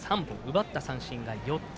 奪った三振が４つ。